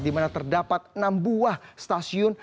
di mana terdapat enam buah stasiun